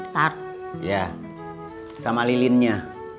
tak ya sama lilinnya